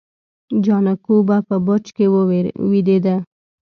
جانکو به په برج کې ويدېده.